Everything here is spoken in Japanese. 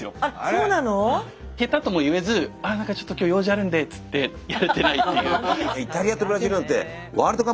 下手とも言えずああなんかちょっと今日用事あるんでっつってやれてないっていう。